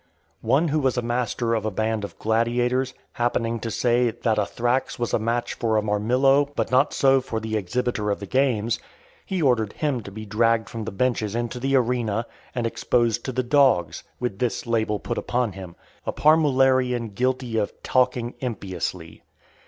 One who was master of a band of gladiators, happening to say, "that a Thrax was a match for a Marmillo , but not so for the exhibitor of the games", he ordered him to be dragged from the benches into the arena, and exposed to the dogs, with this label upon him, "A Parmularian guilty of talking impiously."